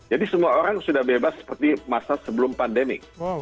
jadi semua orang sudah bebas seperti masa sebelum pandemi